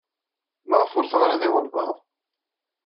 Maɣef ur teɣriḍ i walbaɛḍ?